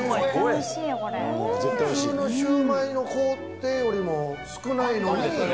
普通のシューマイの工程よりも少ないのにでしょ？